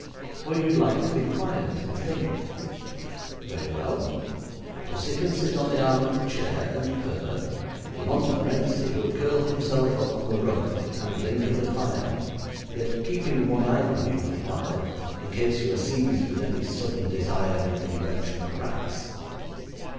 Or you'd like to be quiet and think. Very well. Pussy can sit on the arm of the chair and purr, and Montmorency will curl himself up on the rug and blink at the fire, yet keeping one eye on you the while, in case you are seized with any sudden desire in the direction of rats.